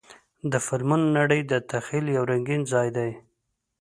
د فلمونو نړۍ د تخیل یو رنګین ځای دی.